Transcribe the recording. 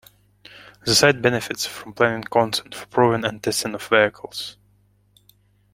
The site benefits from planning consent for Proving and Testing of Vehicles.